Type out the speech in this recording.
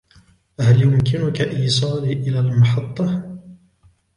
هل يمكنك إيصالي إلى المحطة ؟